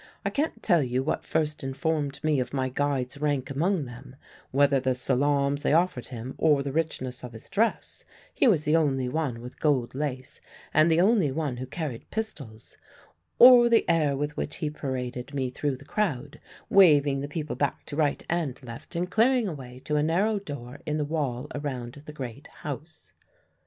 I can't tell you what first informed me of my guide's rank among them whether the salaams they offered him, or the richness of his dress he was the only one with gold lace and the only one who carried pistols or the air with which he paraded me through the crowd, waving the people back to right and left, and clearing a way to a narrow door in the wall around the great house.